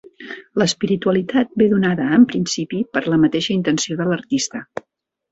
L'espiritualitat ve donada, en principi, per la mateixa intenció de l'artista.